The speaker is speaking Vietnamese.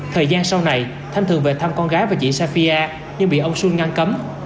thời gian sau này thanh thường về thăm con gái và chị safia nhưng bị ông sun ngăn cấm